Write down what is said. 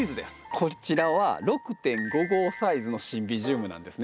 こちらは６．５号サイズのシンビジウムなんですね。